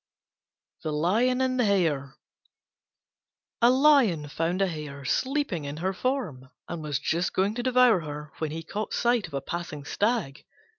THE LION AND THE HARE A Lion found a Hare sleeping in her form, and was just going to devour her when he caught sight of a passing stag.